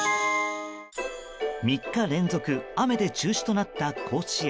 ３日連続雨で中止となった甲子園。